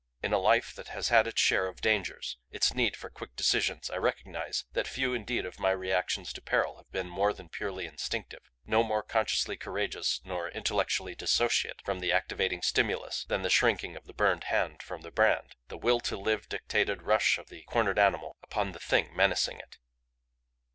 In a life that has had its share of dangers, its need for quick decisions, I recognize that few indeed of my reactions to peril have been more than purely instinctive; no more consciously courageous nor intellectually dissociate from the activating stimulus than the shrinking of the burned hand from the brand, the will to live dictated rush of the cornered animal upon the thing menacing it.